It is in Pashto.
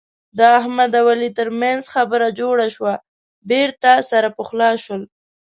د احمد او علي ترمنځ خبره جوړه شوه. بېرته سره پخلا شول.